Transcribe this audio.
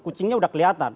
kucingnya udah kelihatan